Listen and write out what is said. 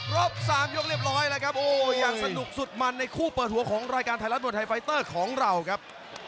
รอบ๓ยกเรียบร้อยแล้วครับโอ้อย่างสนุกสุดมันในคู่เปิดหัวของรายการไทยรัฐมวยไทยไฟเตอร์ของเราครับ